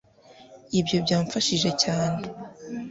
ibyo byamfashije cyane